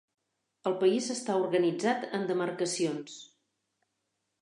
El país està organitzat en demarcacions.